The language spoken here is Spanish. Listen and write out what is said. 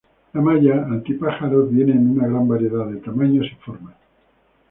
La malla anti pájaros viene en una gran variedad de tamaños y formas.